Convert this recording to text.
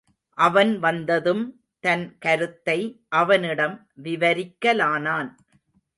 அவன் வந்ததும் தன் கருத்தை அவனிடம் விவரிக்கலானான்.